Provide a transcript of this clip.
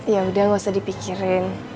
yaudah gak usah dipikirin